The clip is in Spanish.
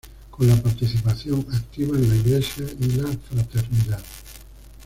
Con la participación activa en la Iglesia y la Fraternidad.